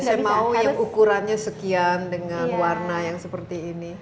tapi saya mau yang ukurannya sekian dengan warna yang seperti ini